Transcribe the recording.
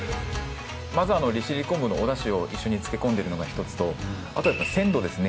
まず利尻昆布のおだしを一緒に漬け込んでいるのが１つとあとやっぱり鮮度ですね。